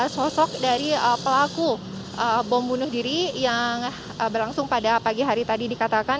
sosok dari pelaku bom bunuh diri yang berlangsung pada pagi hari tadi dikatakan